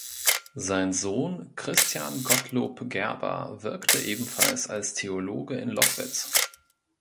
Sein Sohn Christian Gottlob Gerber wirkte ebenfalls als Theologe in Lockwitz.